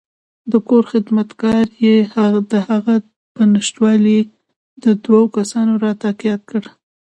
د کور خدمتګار یې دهغه په نشتوالي کې د دوو کسانو راتګ یاد کړ.